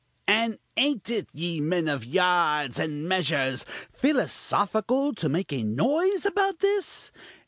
And ain't it, ye men of yards and measures, philosophical to make a noise about this?